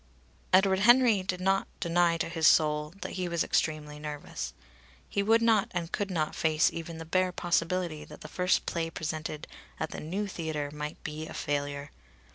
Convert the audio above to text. Edward Henry did not deny to his soul that he was extremely nervous. He would not and could not face even the bare possibility that the first play presented at the new theatre might be a failure.